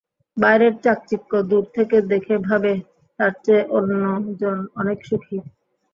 বাইরের চাকচিক্য দূর থেকে দেখে ভাবে, তার চেয়ে অন্যজন অনেক সুখী।